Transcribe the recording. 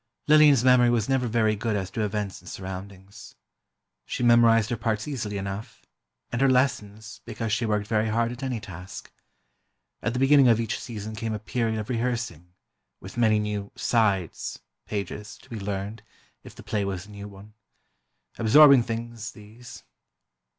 Lillian's memory was never very good as to events and surroundings. She memorized her parts easily enough, and her lessons, because she worked very hard at any task. At the beginning of each season came a period of rehearsing—with many new "sides" (pages) to be learned, if the play was a new one. Absorbing things, these.